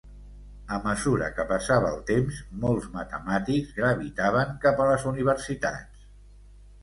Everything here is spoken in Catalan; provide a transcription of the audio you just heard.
A mesura que passava el temps, molts matemàtics gravitaven cap a les universitats.